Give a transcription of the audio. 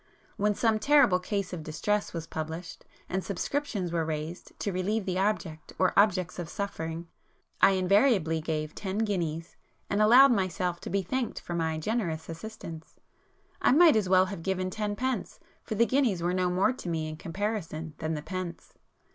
When some terrible case of distress was published, and subscriptions were raised to relieve the object or objects of suffering, I invariably gave Ten Guineas, and allowed myself to be thanked for my 'generous assistance.' I might as well have given ten pence, for the guineas were no more to me in comparison than the pence.